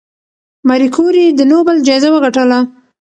ماري کوري د نوبل جایزه وګټله.